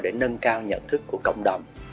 để nâng cao nhận thức của cộng đồng